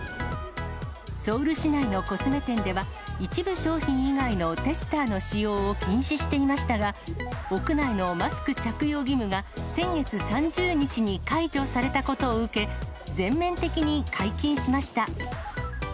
ソウル市内のコスメ店では、一部商品以外のテスターの使用を禁止していましたが、屋内のマスク着用義務が先月３０日に解除されたことを受け、全面的に解禁しました。